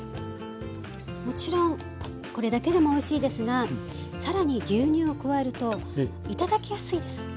もちろんこれだけでもおいしいですがさらに牛乳を加えると頂きやすいです。